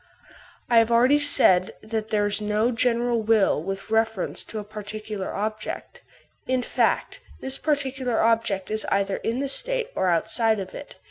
I have already said that there is no general will with reference to a particular object. In fact, this particular object is either in the State or outside of it.